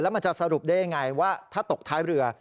มันจะสรุปได้ยังไงว่าถ้าตกท้ายเรือ